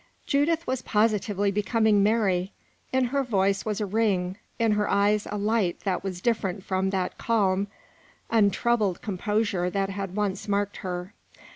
Judith was positively becoming merry. In her voice was a ring, in her eyes a light that was different from that calm, untroubled composure that had once marked her.